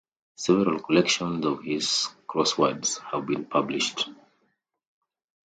Several collections of his crosswords have been published.